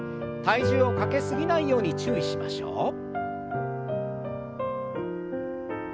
体重をかけ過ぎないように注意しましょう。